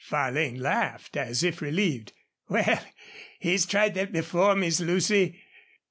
Farlane laughed, as if relieved. "Wal, he's tried thet before. Miss Lucy.